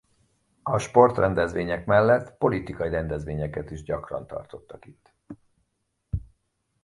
A sportrendezvények mellett politikai rendezvényeket is gyakran tartottak a itt.